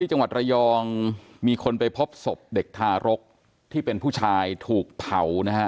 จังหวัดระยองมีคนไปพบศพเด็กทารกที่เป็นผู้ชายถูกเผานะฮะ